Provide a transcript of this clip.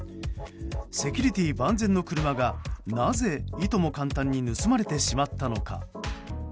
セキュリティー万全の車がなぜ、いとも簡単に盗まれてしまったのか。